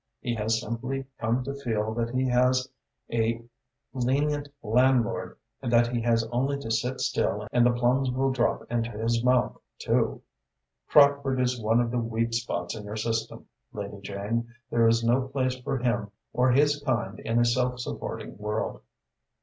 He has simply come to feel that he has a lenient landlord and that he has only to sit still and the plums will drop into his mouth, too. Crockford is one of the weak spots in your system, Lady Jane. There is no place for him or his kind in a self supporting world."